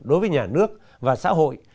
đối với nhà nước và xã hội